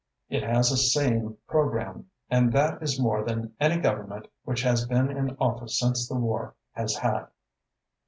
It has a sane programme, and that is more than any Government which has been in office since the war has had."